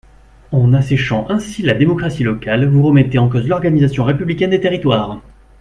En asséchant ainsi la démocratie locale, vous remettez en cause l’organisation républicaine des territoires.